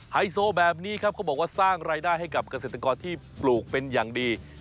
ไฮโซแบบนี้ครับเขาบอกว่าสร้างรายได้ให้กับเกษตรกรที่ปลูกเป็นอย่างดี